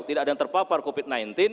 tidak ada yang terpapar covid sembilan belas